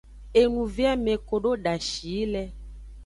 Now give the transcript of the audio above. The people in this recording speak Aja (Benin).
Enuveame kodo dashi yi le.